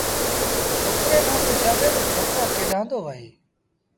ڇوڪري کآݩ پڇيآݩدي تا ڇوڪرآ ڪيڏآݩ دو وهيݩ